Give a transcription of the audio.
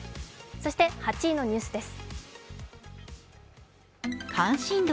そして、８位のニュースです。